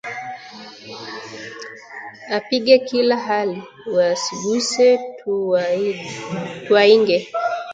Apige kila hali, wasiguse tuwainge